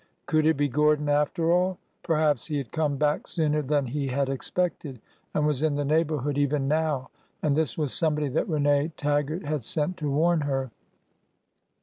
... Could it be Gordon, after all ? Perhaps he had come back sooner than he had expected and was in the neigh borhood even now, and this was somebody that Rene Tag gart had sent to warn her.